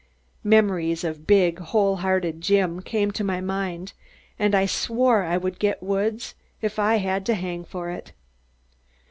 Memories of big whole hearted Jim came to my mind and I swore I would get Woods if I had to hang for it.